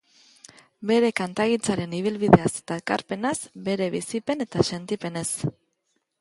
Bere kantagintzaren ibilbideaz eta ekarpenaz, bere bizipen eta sentipenez.